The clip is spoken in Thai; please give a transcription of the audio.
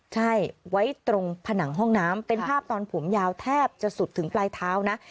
ใช่ไว้ตรงผนังห้องน้ำเป็นภาพตอนผมยาวแทบจะสุดถึงปลายเท้านะ